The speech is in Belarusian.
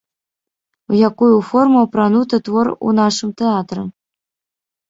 У якую форму апрануты твор у нашым тэатры?